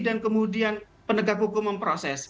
dan kemudian pendekat hukum memproses